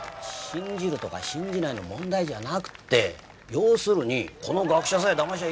信じるとか信じないの問題じゃなくって要するにこの学者さえ騙しゃいいわけだろ？